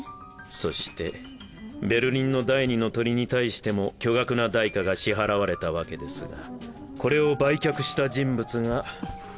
そしてベルリンの第二の鳥に対しても巨額な代価が支払われたわけですがこれを売却した人物が。